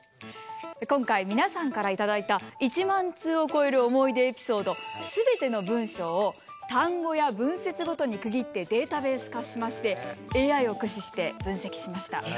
今回皆さんから頂いた１万通を超える「思い出エピソード」すべての文章を単語や文節ごとに区切ってデータベース化しましてＡＩを駆使して分析しました。